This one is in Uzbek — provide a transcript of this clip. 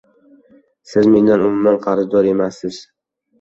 Siz mendan umuman qarzdor emassiz.